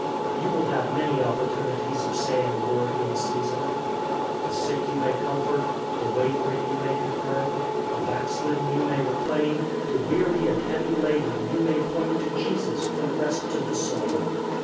You will have many opportunities of saying a word in season. The sick you may comfort, the wavering you may confirm, the backslidden you may reclaim, the weary and heavy laden you may point to Jesus for rest to the soul.